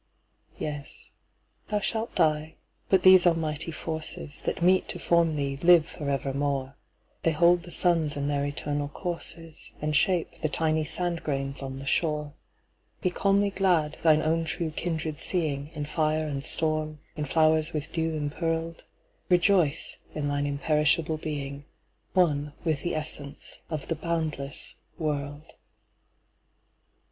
Yes, thou shalt die: but these almighty forces, That meet to form thee, live for evermore; They hold the suns in their eternal courses, And shape the tiny sand grains on the shore.Be calmly glad, thine own true kindred seeingIn fire and storm, in flowers with dew impearled; Rejoice in thine imperishable being, One with the essence of the boundless world.